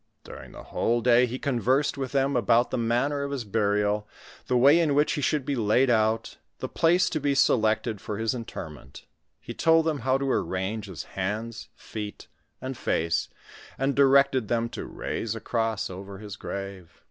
During the whole day he conversed with them about tlie manner of his burial, the way in which he should be laid out, the place to be selected for his interment ; he told them how to arrange his hands, feet, and face, and directed them to raise a cross over his grave.